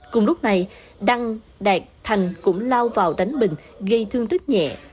cùng lúc này đăng đạt thành cũng lao vào đánh bình gây thương tích nhẹ